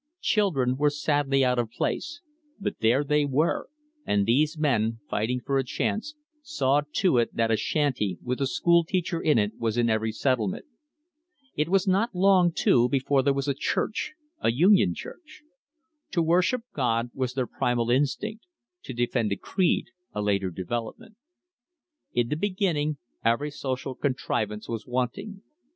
Children were sadly out of place, but there they were, and these men, fighting for a chance, saw to it that a shanty, with a school teacher in it, was in every settlement. »was not long, too, before there was a church, a union urch. To worship God was their primal instinct; to defend creed a later development. In the beginning every social contrivance was wanting.